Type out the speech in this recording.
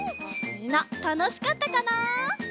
みんなたのしかったかな？